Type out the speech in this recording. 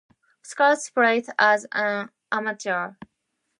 Schultz played as an amateur.